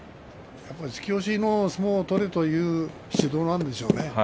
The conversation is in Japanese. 突き押しの相撲を取れという指導なんでしょうかね。